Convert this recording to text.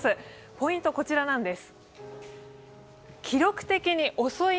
ポイントはこちらです。